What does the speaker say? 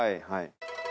はい。